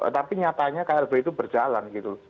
tapi nyatanya klb itu berjalan gitu